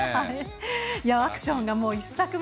アクションがね。